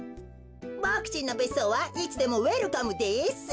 ボクちんのべっそうはいつでもウエルカムです。